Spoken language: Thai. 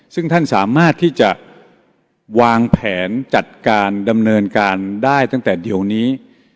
ซึ่งท่านสามารถที่จะวางแผนจัดการดำเนินการได้ตั้งแต่เดี๋ยวนี้